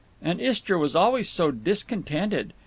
And Istra was always so discontented.